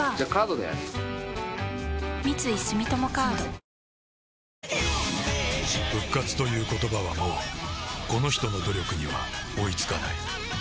サントリーセサミン復活という言葉はもうこの人の努力には追いつかない。